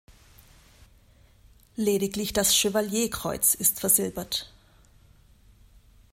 Lediglich das Chevalier-Kreuz ist versilbert.